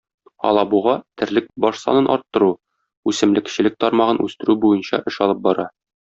Алабуга терлек баш санын арттыру, үсемлекчелек тармагын үстерү буена эш алып бара.